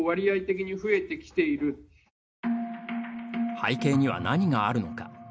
背景には何があるのか。